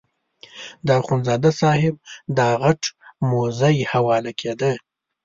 د اخندزاده صاحب دا غټ موږی حواله کېده.